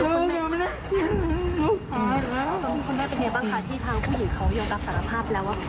ตอนนี้คุณแม่เป็นไงบ้างคะที่ทางผู้หญิงเขายอมรับสารภาพแล้วว่า